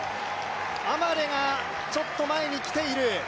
アマレがちょっと前に来ている。